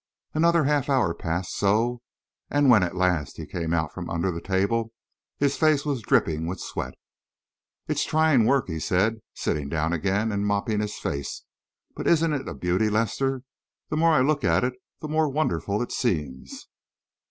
Another half hour passed so, and when at last he came out from under the table, his face was dripping with sweat. "It's trying work," he said, sitting down again and mopping his face. "But isn't it a beauty, Lester? The more I look at it, the more wonderful it seems."